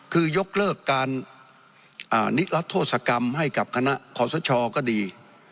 คือยกเลิกการนิรัฐโทษกรรมให้กับคณะขอสชก็ดี